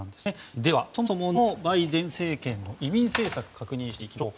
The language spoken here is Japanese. では、そもそものバイデン政権の移民政策を確認していきましょう。